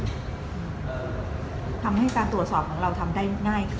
ทำให้การตรวจสอบของเราทำได้ง่ายขึ้น